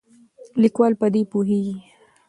لیکوال په دې پوهیږي.